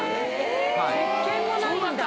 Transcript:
せっけんもなんだ。